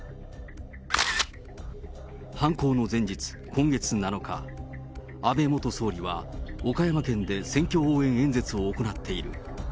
犯行の前日、今月７日、安倍元総理は岡山県で選挙応援演説を行っている。